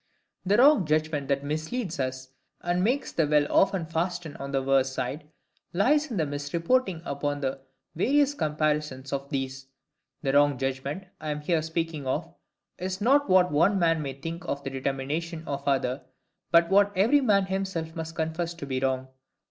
The wrong judgment that misleads us, and makes the will often fasten on the worse side, lies in misreporting upon the various comparisons of these. The wrong judgment I am here speaking of is not what one man may think of the determination of another, but what every man himself must confess to be wrong.